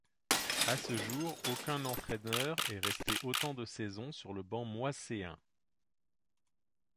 À ce jour aucun entraîneur est resté autant de saisons sur le banc moisséen.